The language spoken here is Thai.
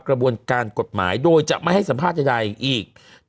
มันติดคุกออกไปออกมาได้สองเดือน